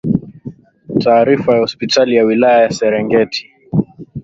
Taarifa ya hospitali ya wilaya ya serengeti